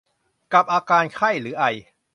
กับอาการไข้หรือไอ